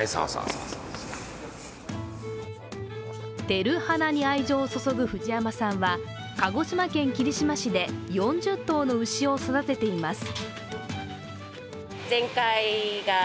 てるはなに愛情をそぞく藤山さんは、鹿児島県霧島市で４０頭の牛を育てています。